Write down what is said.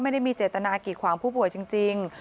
ไม่ได้มีเจตนากีดขวางผู้ป่วยจริง